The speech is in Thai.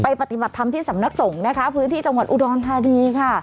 ปฏิบัติธรรมที่สำนักสงฆ์นะคะพื้นที่จังหวัดอุดรธานีค่ะ